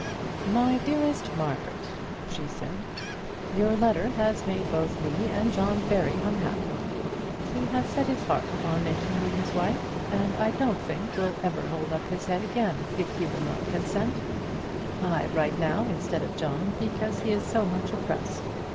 "My dearest Margaret," she said, "Your letter has made both me and John very unhappy. He has set his heart upon making you his wife, and I don't think will ever hold up his head again if you will not consent. I write now instead of John, because he is so much oppressed.